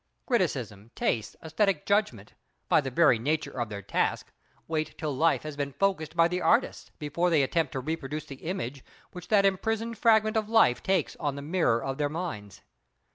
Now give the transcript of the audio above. Criticism, taste, aesthetic judgment, by the very nature of their task, wait till life has been focussed by the artists before they attempt to reproduce the image which that imprisoned fragment of life makes on the mirror of their minds.